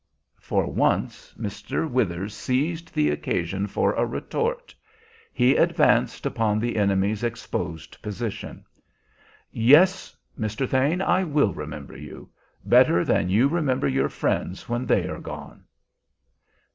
For once Mr. Withers seized the occasion for a retort; he advanced upon the enemy's exposed position. "Yes, Mr. Thane, I will remember you, better than you remember your friends when they are gone."